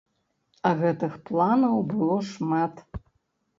А гэтых планаў было шмат.